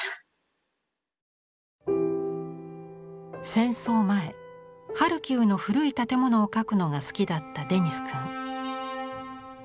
戦争前ハルキウの古い建物を描くのが好きだったデニス君。